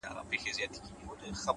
د ریل سټېشن شور د تګ احساس زیاتوي’